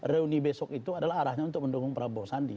reuni besok itu adalah arahnya untuk mendukung prabowo sandi